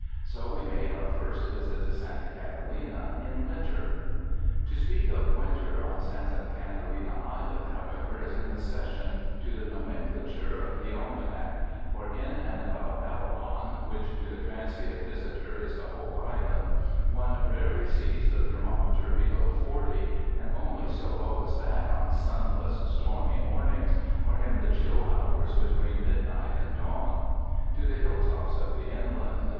So we made our first visit to Santa Catalina in winter. To speak of winter on Santa Catalina, however, is a concession to the nomenclature of the almanac, for in and about Avalon, which to the transient visi tor is the whole island, one rarely sees the ther mometer below forty, and only so low as that on sunless stormy mornings, or in the chill hours be tween midnight and dawn. To the hilltops of the inland.